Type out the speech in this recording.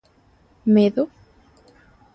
Medo?